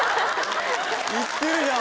行ってるじゃん